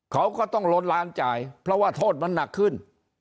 เขาก็ต้องลนล้านจ่ายเพราะว่าโทษมันหนักขึ้น